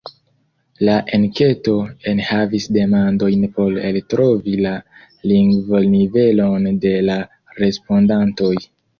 La enketo enhavis demandojn por eltrovi la lingvonivelon de la respondantoj.